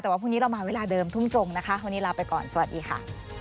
แต่ว่าพรุ่งนี้เรามาเวลาเดิมทุ่มตรงนะคะวันนี้ลาไปก่อนสวัสดีค่ะ